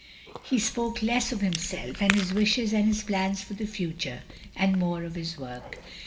He spoke less of himself and his wishes and his plans for the future, and more of his work.